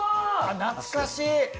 懐かしい！